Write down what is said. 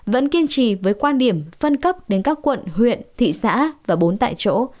vẫn kiên trì với quan điểm phân cấp đến các quận huyện thị xã và bốn tại chỗ